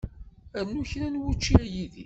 Rnu kra n wučči a Yidir.